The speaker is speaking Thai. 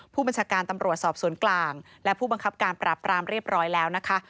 ผู้บัญชาการตำรวจสอบสวนกลางและผู้บังคับการปราบปรามเรียบร้อยแล้วนะคะ